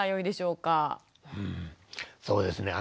うんそうですね。